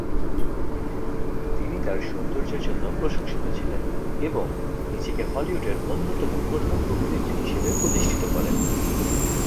তিনি তার সৌন্দর্যের জন্য প্রশংসিত ছিলেন এবং নিজেকে হলিউডের অন্যতম প্রধান অভিনেত্রী হিসেবে প্রতিষ্ঠিত করেন।